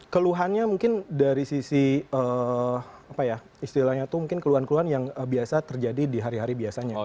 keluhannya mungkin dari sisi apa ya istilahnya itu mungkin keluhan keluhan yang biasa terjadi di hari hari biasanya